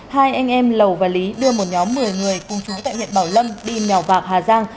hai anh em lầu và lý đưa một nhóm một mươi người cùng chú tại huyện bảo lâm đi mèo vạc hà giang